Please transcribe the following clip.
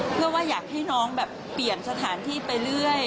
เพื่อว่าอยากให้น้องแบบเปลี่ยนสถานที่ไปเรื่อย